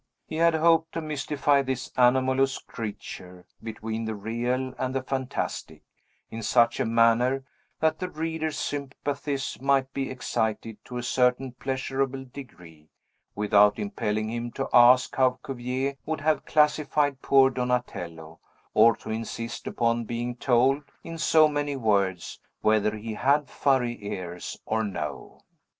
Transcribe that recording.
He had hoped to mystify this anomalous creature between the Real and the Fantastic, in such a manner that the reader's sympathies might be excited to a certain pleasurable degree, without impelling him to ask how Cuvier would have classified poor Donatello, or to insist upon being told, in so many words, whether he had furry ears or no.